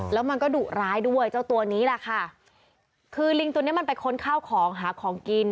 แล้วมันก็ดุร้ายด้วยเจ้าตัวนี้แหละค่ะคือลิงตัวเนี้ยมันไปค้นข้าวของหาของกิน